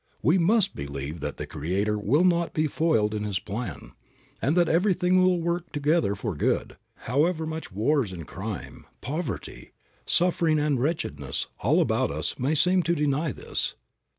We must believe that the Creator will not be foiled in His plan, and that everything will work together for good, however much wars and crime, poverty, suffering and wretchedness all about us may seem to deny this.